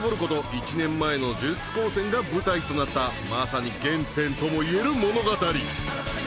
１年前の呪術高専が舞台となったまさに原点とも言える物語。